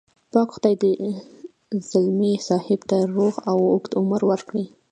پاک خدای دې ځلمي صاحب ته روغ او اوږد عمر ورکړي.